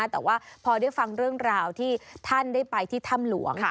แต่ว่าพอได้ฟังเรื่องราวที่ท่านได้ไปที่ถ้ำหลวง